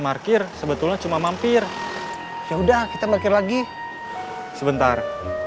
markir sebetulnya cuma mampir ya udah kita nge review lagi sebentar